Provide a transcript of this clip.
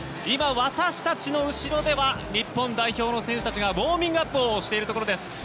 今、私たちの後ろでは日本代表の選手たちがウォーミングアップをしているところです。